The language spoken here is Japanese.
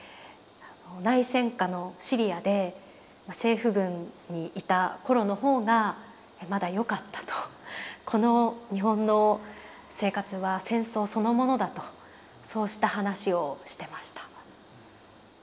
「内戦下のシリアで政府軍にいた頃の方がまだよかった」と「この日本の生活は戦争そのものだ」とそうした話をしてました。